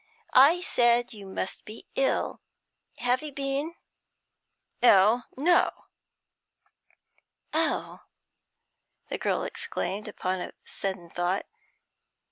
I said you must be ill. Have you been?' 'Ill? No.' 'Oh!' the girl exclaimed, upon a sudden thought.